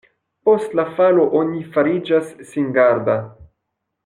Post la falo oni fariĝas singarda.